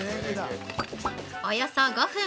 ◆およそ５分。